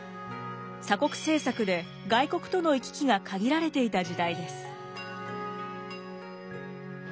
鎖国政策で外国との行き来が限られていた時代です。